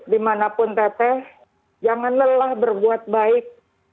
dimanapun teteh jangan lelah berbuat baik